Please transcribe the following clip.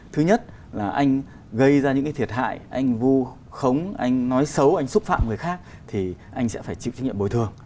thứ nhất là anh gây ra những cái thiệt hại anh vu khống anh nói xấu anh xúc phạm người khác thì anh sẽ phải chịu trách nhiệm bồi thường